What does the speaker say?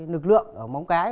nực lượng ở móng cái